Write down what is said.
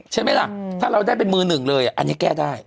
ใช่ไหมล่ะถ้าเราได้เป็นมือหนึ่งเลยอันนี้แก้ได้